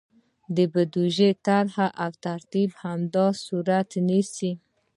د بودیجې طرحه او ترتیب همداسې صورت نیسي.